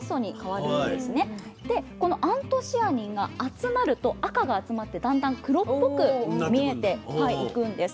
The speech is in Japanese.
でこのアントシアニンが集まると赤が集まってだんだん黒っぽく見えていくんです。